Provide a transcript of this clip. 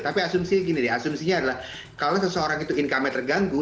tapi asumsi gini deh asumsinya adalah kalau seseorang itu income nya terganggu